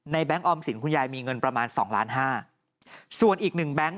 ในแบงค์ออมสินคุณยายมีเงินประมาณ๒๕ล้านส่วนอีก๑แบงค์